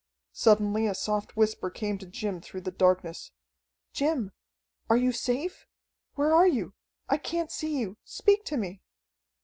Suddenly a soft whisper came to Jim through the darkness: "Jim! Are you safe! Where are you? I can't see you! Speak to me!"